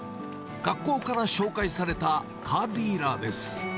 学校から紹介されたカーディーラーです。